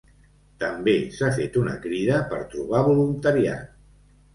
També s’ha fet una crida per trobar voluntariat.